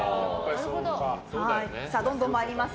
どんどん参ります。